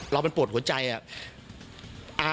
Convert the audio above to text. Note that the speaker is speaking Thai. เราเป็นปวดหัวใจอะ